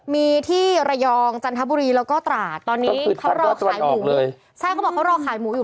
มีที่ระยองจันทบุรีแล้วก็ตราดตอนนี้เขารอขายหมูเลยใช่เขาบอกเขารอขายหมูอยู่